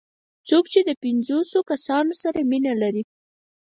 څوک چې د پنځوسو کسانو سره مینه لري.